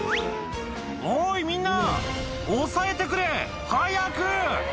おーい、みんな、押さえてくれ！早く。